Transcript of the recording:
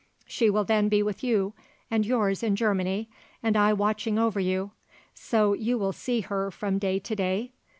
She will then be with you and yours in Germany, and I watching over you. So you will see her from day to day?